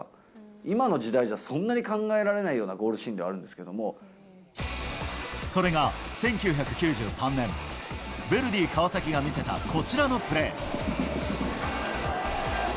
今の時代じゃそんなに考えられないようなゴールシーンがあるんでそれが１９９３年、ヴェルディ川崎が見せたこちらのプレー。